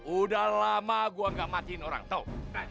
udah lama gue gak matiin orang tau